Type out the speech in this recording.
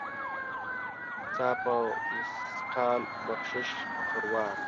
حساب په مثقال ، بخشش په خروار.